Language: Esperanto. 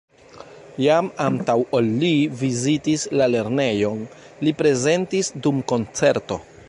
Jam antaŭ ol li vizitis la lernejon, li prezentis dum koncerto.